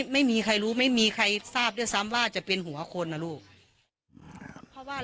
ไม่มีใครรู้ไม่มีใครทราบด้วยซ้ำว่าจะเป็นหัวคนนะลูก